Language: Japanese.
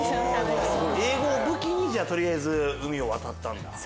英語を武器に取りあえず海を渡ったんだ。